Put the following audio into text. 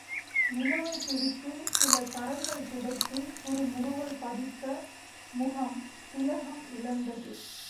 நிலவைப் பிடித்துச் சில கறைகள் துடைத்துக் குறு முறுவல் பதித்த முகம் திலகம் இழந்தது.